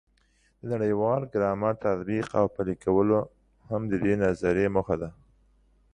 د نړیوال ګرامر تطبیق او پلي کول هم د دې نظریې موخه ده.